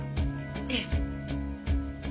ええ。